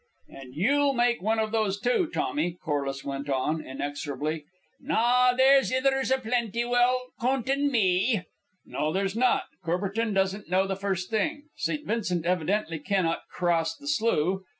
"And you'll make one of those two, Tommy," Corliss went on, inexorably. "Na; there's ithers a plenty wi'oot coontin' me." "No, there's not. Courbertin doesn't know the first thing. St. Vincent evidently cannot cross the slough.